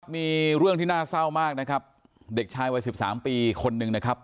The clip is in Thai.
มีเรื่องที่น่าเศร้ามากนะครับเด็กชายวัย๑๓ปีคนหนึ่งนะครับ